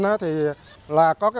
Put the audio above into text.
là có công tác chuẩn bị